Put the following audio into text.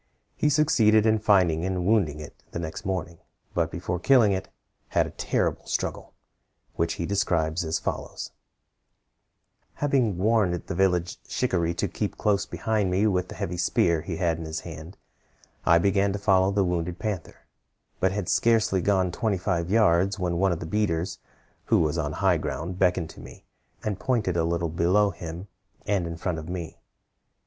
He succeeded in finding and wounding it the next morning, but before killing it, had a terrible struggle, which he describes as follows: "Having warned the village shikaree to keep close behind me with the heavy spear he had in his hand, I began to follow the wounded panther; but had scarcely gone twenty five yards, when one of the beaters, who was on high ground, beckoned to me, and pointed a little below him, and in front of me.